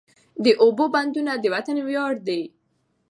د اوبو بندونه د وطن ویاړ دی.